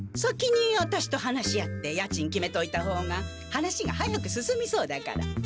先にアタシと話し合って家賃決めといた方が話が早く進みそうだから。